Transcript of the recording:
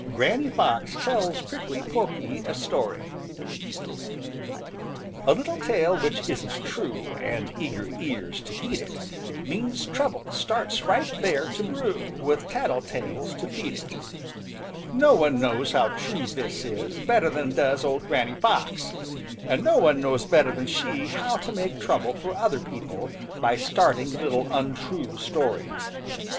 GRANNY FOX TELLS PRICKLY PORKY A STORY A little tale which isn't true, And eager ears to heed it, Means trouble starts right there to brew With tattle tales to feed it. |NO one knows how true this is better than does old Granny Fox. And no one knows better than she how to make trouble for other people by starting little untrue stories.